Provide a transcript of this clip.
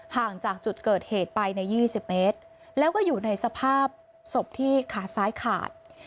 ห่างจากจุดเกิดเหตุไปใน๒๐เมตรแล้วก็อยู่ในสภาพศพที่ขาซ้ายขาด